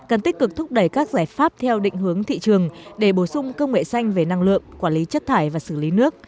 áp theo định hướng thị trường để bổ sung công nghệ xanh về năng lượng quản lý chất thải và xử lý nước